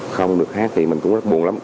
không được hát thì mình cũng rất buồn lắm